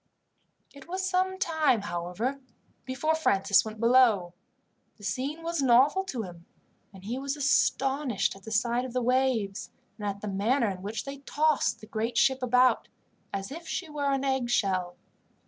It was some time, however, before Francis went below. The scene was novel to him, and he was astonished at the sight of the waves, and at the manner in which they tossed the great ship about, as if she were an eggshell.